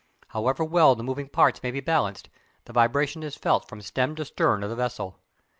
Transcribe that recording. However well the moving parts may be balanced, the vibration is felt from stem to stern of the vessel.